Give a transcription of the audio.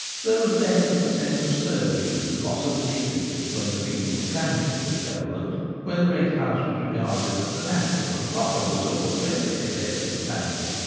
There was less of the sense of servitude and loss of dignity when the feeling of clanship was prevalent, when the great house was regarded as the natural and proper resource of every cadet of the family.